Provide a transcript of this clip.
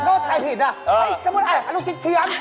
โทษถ่ายผิดน่ะเอ้ยจะบอกได้ลูกชิดเชื่อม